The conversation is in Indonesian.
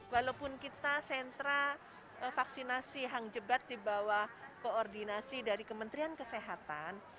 walaupun kita sentra vaksinasi hang jebat di bawah koordinasi dari kementerian kesehatan